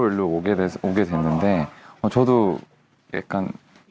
ชั้นมาที่นี่ตอนเดิมพอพบกัน